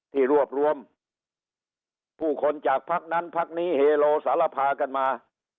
ที่รวบรวมผู้คนจากพักนั้นพักนี้เฮโลสารพากันมา